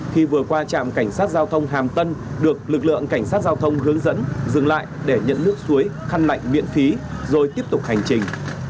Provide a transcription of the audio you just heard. khi vừa qua trạm cảnh sát giao thông hàm tân được lực lượng cảnh sát giao thông hướng dẫn dừng lại để nhận nước suối khăn lạnh miễn phí rồi tiếp tục hành trình